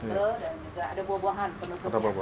ini ada ikan kemudian nasi telur